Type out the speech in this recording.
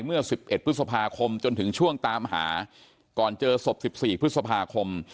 เมื่อ๑๑พฤษภาคมจนถึงช่วงตามหาก่อนเจอศพ๑๔พฤษภาคม